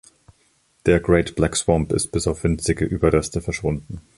Der Great Black Swamp ist bis auf winzige Überreste verschwunden.